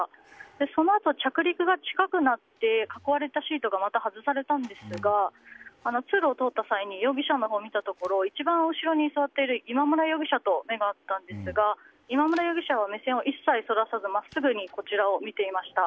そのあと着陸が近くなって囲われたシートがまた外されたんですが通路を通った際に容疑者のほうを見たところ一番後ろに座っている今村容疑者と目が合ったんですが今村容疑者は目線を一切そらさず真っすぐにこちらを見ていました。